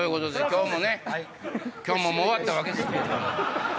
今日ももう終わったわけで。